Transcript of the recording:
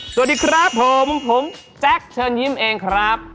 สวัสดีครับผมผมแจ๊คเชิญยิ้มเองครับ